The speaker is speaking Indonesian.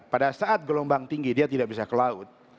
pada saat gelombang tinggi dia tidak bisa ke laut